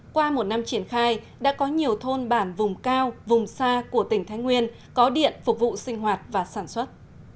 qua một năm triển khai đã có nhiều thôn bản vùng cao vùng xa của tỉnh thái nguyên có điện phục vụ sinh hoạt và sản xuất